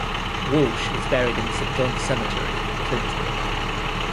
Walsh is buried in Saint John's Cemetery, Clinton.